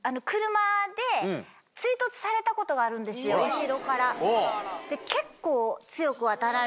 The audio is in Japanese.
後ろから。